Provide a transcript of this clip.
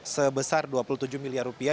sebesar dua puluh tujuh miliar rupiah